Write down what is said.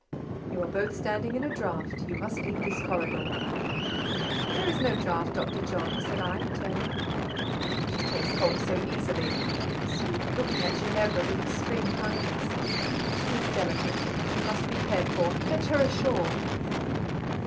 "You are both standing in a draught; you must leave this corridor." "There is no draught, Dr. John," said I, turning. "She takes cold so easily," he pursued, looking at Ginevra with extreme kindness. "She is delicate; she must be cared for: fetch her a shawl."